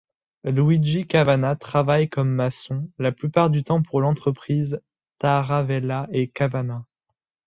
Luigi Cavanna travaille comme maçon, la plupart du temps pour l’entreprise Taravella et Cavanna.